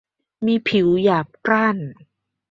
มีผิวหยาบกร้าน